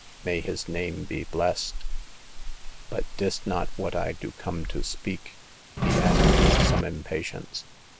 May his name be blessed ! But dis not what I do come to speak," he added, with some impatience.